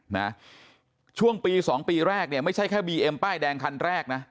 นะช่วงปีสองปีแรกเนี่ยไม่ใช่แค่บีเอ็มป้ายแดงคันแรกนะ